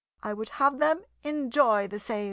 I would have them enjoy the sail."